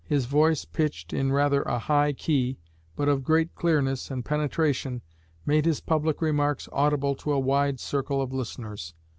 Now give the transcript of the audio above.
His voice, pitched in rather a high key, but of great clearness and penetration, made his public remarks audible to a wide circle of listeners."